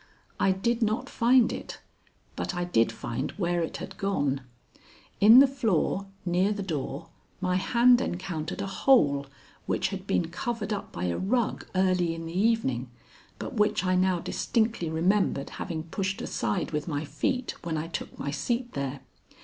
I did not find it, but I did find where it had gone. In the floor near the door, my hand encountered a hole which had been covered up by a rug early in the evening, but which I now distinctly remembered having pushed aside with my feet when I took my seat there.